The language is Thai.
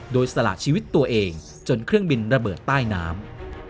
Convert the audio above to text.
โดยสละชีวิตตัวเองจนเครื่องบินระเบิดใต้น้ำ